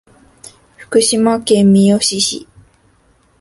徳島県三好市